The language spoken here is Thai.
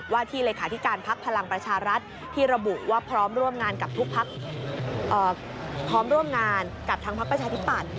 ว่าที่เลขาที่การพักพลังประชารัฐที่ระบุว่าพร้อมร่วมงานกับทั้งพักประชาธิปัตย์